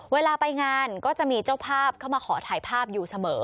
เวลาไปงานก็จะมีเจ้าภาพเข้ามาขอถ่ายภาพอยู่เสมอ